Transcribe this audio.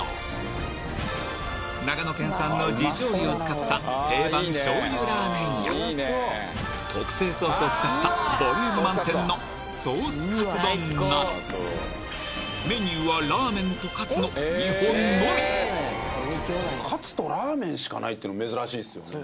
長野県産の地醤油を使った定番醤油ラーメンや特製ソースを使ったボリューム満点のソースカツ丼などメニューはラーメンとカツの２本のみカツとラーメンしかないっていうの珍しいですよね？